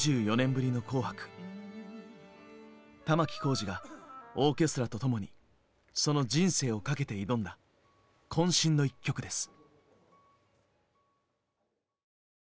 玉置浩二がオーケストラと共にその人生をかけて挑んだ渾身の１曲です。